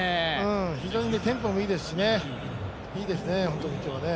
非常にテンポもいいですし、いいですね、本当に今日はね。